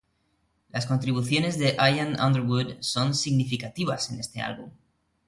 Las contribuciones de Ian Underwood son significativas en este álbum.